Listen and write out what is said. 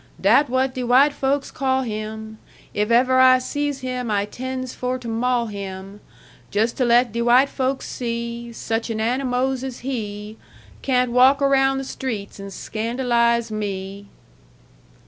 Dat what de white folks call him. If ever I sees him I 'tends for to maul him, Just to let de white folks see Such an animos as he Can't walk around the streets and scandalize me.'"